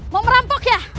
mau merampok ya